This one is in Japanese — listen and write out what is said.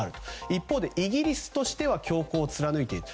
一方で、イギリスとしては強硬を貫いている。